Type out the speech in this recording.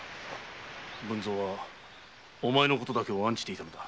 文造はお前のことだけを案じていたんだ。